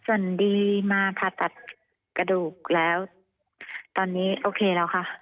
ส่วนดีมาผ่าตัดกระดูกแล้วตอนนี้โอเคแล้วค่ะ